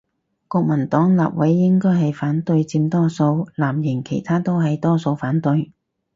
國民黨立委應該係反對佔多數，藍營其他都係多數反對